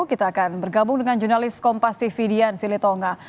kita akan bergabung dengan jurnalis kompasifi dian silitonga